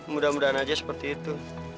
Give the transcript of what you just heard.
mudah mudahan aja seperti itu